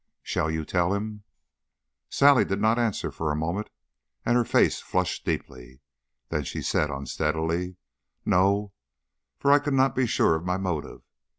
"Shall you tell him?" Sally did not answer for a moment, and her face flushed deeply. Then she said unsteadily: "No; for I could not be sure of my motive.